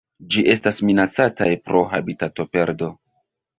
Ĝi estas minacataj pro habitatoperdo.